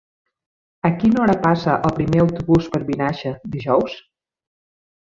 A quina hora passa el primer autobús per Vinaixa dijous?